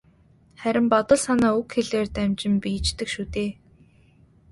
Харин бодол санаа үг хэлээр дамжин биеждэг шүү дээ.